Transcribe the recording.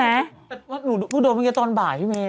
แต่ว่าหนูพูดโดนบางเกียจตอนบ่ายพี่มีน